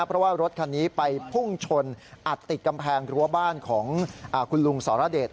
เพราะว่ารถคันนี้ไปพุ่งชนอัดติดกำแพงรั้วบ้านของคุณลุงสรเดช